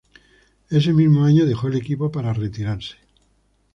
Ese mismo año dejó el equipo para retirarse.